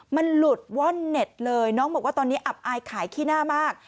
มันหลุดว่อนเน็ตเลยน้องบอกว่าตอนนี้อับอายขายขี้หน้ามาก